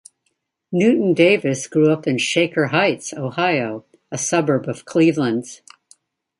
Newton-Davis grew up in Shaker Heights, Ohio, a suburb of Cleveland.